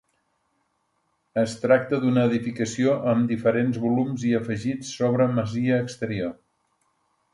Es tracta d'una edificació amb diferents volums i afegits sobre masia exterior.